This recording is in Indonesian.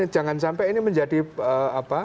jangan sampai ini menjadi apa